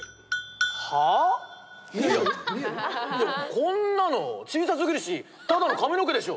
こんなの小さ過ぎるしただの髪の毛でしょ。